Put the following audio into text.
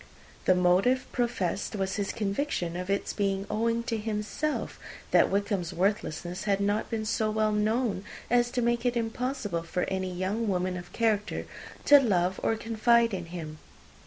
The motive professed was his conviction of its being owing to himself that Wickham's worthlessness had not been so well known as to make it impossible for any young woman of character to love or confide in him.